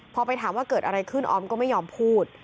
พอไปถามว่าเกิดอะไรขึ้นออมก็ไม่ยอมพูด